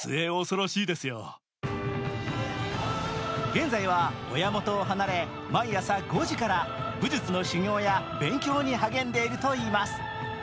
現在は親元を離れ毎朝５時から武術の修行や勉強に励んでいるといいます。